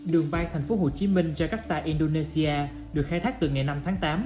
đường bay thành phố hồ chí minh jakarta indonesia được khai thác từ ngày năm tháng tám